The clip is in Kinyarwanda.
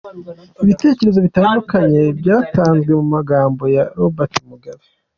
Ibitekerezo bitandukanye byatanzwe ku magambo ya Robert Mugabe.